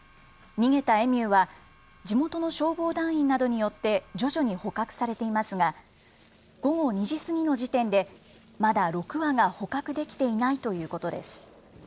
逃げたエミューは、地元の消防団員などによって徐々に捕獲されていますが、午後２時過ぎの時点で、まだ６羽が捕獲できていないということです。